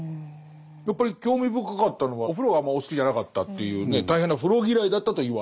やっぱり興味深かったのはお風呂があんまりお好きじゃなかったというね大変な風呂嫌いだったと言われると。